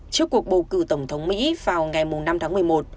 trước cuộc bầu cử tổng thống mỹ vào ngày năm tháng một mươi một